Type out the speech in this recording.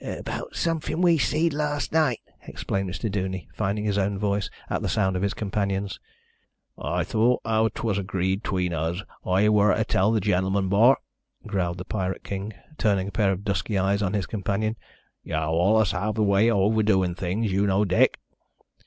"About somefin' we seed last night," explained Mr. Duney, finding his own voice at the sound of his companion's. "I thowt 'ow 'twas agreed 'tween us I wor to tell the gentleman, bor?" growled the pirate king, turning a pair of dusky eyes on his companion. "Yow allus have a way o' overdoin' things, you know, Dick."